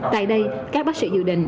tại đây các bác sĩ dự định